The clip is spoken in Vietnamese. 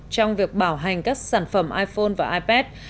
trong việc bảo hành các sản phẩm iphone và ipad